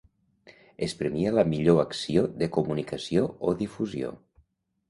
Es premia la millor acció de comunicació o difusió.